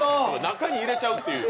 中に入れちゃうっていう。